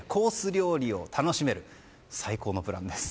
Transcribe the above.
料理を楽しめる最高のプランです。